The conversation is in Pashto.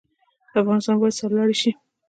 افغانستان باید سرلوړی شي